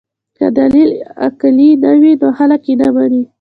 که دلیل عقلي نه وي نو خلک یې نه مني.